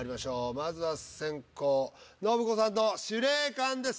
まずは先攻信子さんの司令官です。